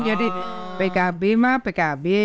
jadi pkb mah pkb